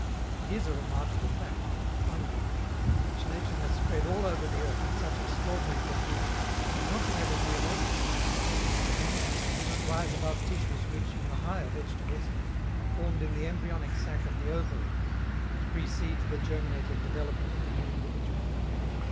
It is a remarkable fact that the fungi, which nature has spread all over the earth in such extraordinary profusion, have not been able to evolve. Organically they do not rise above tissues which, in the higher vegetables, are formed in the embryonic sac of the ovary, and precede the germinative development of the new individual.